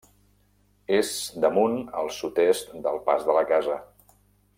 És damunt al sud-est del Pas de la Casa.